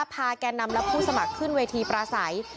พาการนำรับผู้สมัครขึ้นเวทีปราศัย